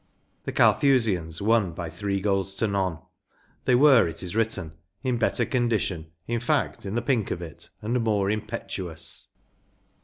The Carthusians won by three goals to none ; they were, it is written, “ in better condition, in fact in the pink of it, and more impetuous.